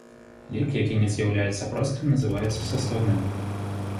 Лік, які не з'яўляецца простым, называецца састаўным.